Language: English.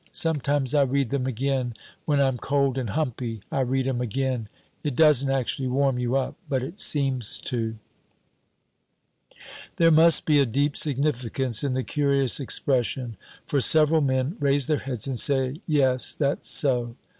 Sometimes I read them again. When I'm cold and humpy, I read 'em again. It doesn't actually warm you up, but it seems to." There must be a deep significance in the curious expression, for several men raise their heads and say, "Yes, that's so."